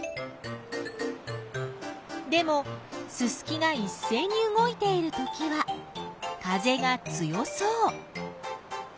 でもススキがいっせいに動いているときは風が強そう。